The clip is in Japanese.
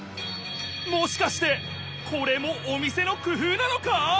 もしかしてこれもお店のくふうなのか！？